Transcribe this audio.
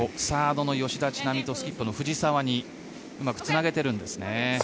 サードの吉田知那美とスキップの藤澤にうまくつなげてるんですね。